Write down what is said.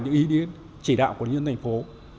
những ý định chỉ đạo của những thành phố